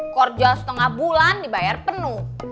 kerja setengah bulan dibayar penuh